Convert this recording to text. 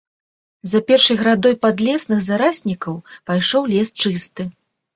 За першай градой падлесных зараснікаў пайшоў лес чысты.